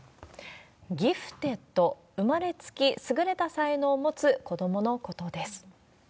ギフテッド、生まれつき優れた才能を持つ子どものことです。